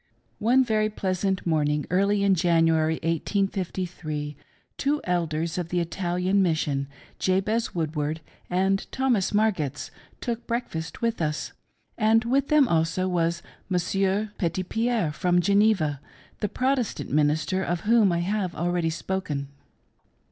One very pleasant morning, early in January, 1853, two Elders of the Italian Mission, Jabez Woodward and Thomas Margetts, took breakfast with us ; and with them also was Mons. Petitpierre from Geneva, the Protestant minister of whom I have already spoken.